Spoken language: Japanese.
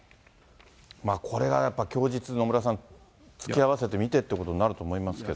これがやっぱり、供述、野村さん、突き合わせてみてということになると思いますけど。